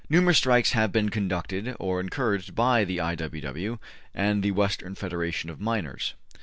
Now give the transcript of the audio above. Numerous strikes have been conducted or encouraged by the I. W. W. and the Western Federation of Miners.